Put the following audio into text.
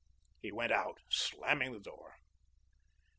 He went out, slamming the door.